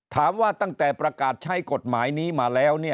ตั้งแต่ประกาศใช้กฎหมายนี้มาแล้ว